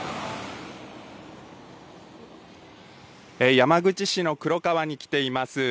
山口市のくろ川に来ています。